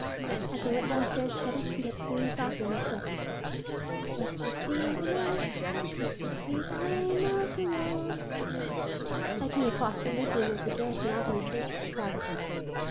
As they went down stairs together, he kept singing softly under his breath, "Blessed be the name, blessed be the name of the Lord!" By ten o'clock the League room of the Garrison Avenue Church was crowded.